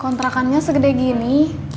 kontrakannya segede gini